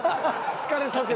疲れさせて。